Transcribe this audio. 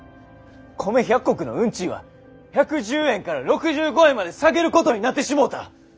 米１００石の運賃は１１０円から６５円まで下げることになってしもうた。